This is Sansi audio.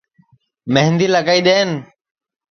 مہندی لگائی دؔین